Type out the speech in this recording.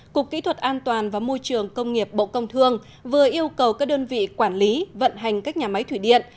cục kỹ thuật an toàn và môi trường công nghiệp bộ công thương vừa yêu cầu các đơn vị quản lý vận hành các nhà máy thủy điện